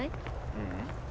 ううん。